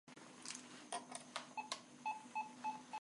Կղզին դարձավ քրեական և քաղաքական աքսորավայր։